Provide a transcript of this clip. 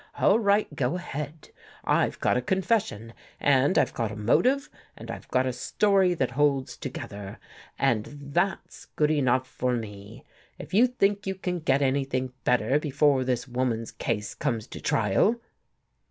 All right, go ahead. IVe got a confession and I've got a motive and I've got a story that holds together. And that's 139 THE GHOST GIRL [good enough for me. If you think you can get any thing better before this woman's case comes to trial.